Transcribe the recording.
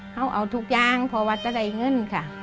เขาเอาทุกอย่างพอวัตรได้เงิน